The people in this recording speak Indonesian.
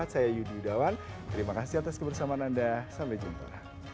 saya yudi yudawan terima kasih atas kebersamaan anda sampai jumpa